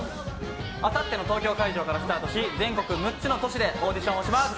あさっての東京会場からスタートし、全国６つの都市でオーディションをします。